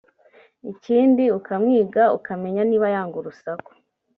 Ikindi ukamwiga ukamenya niba yanga urusaku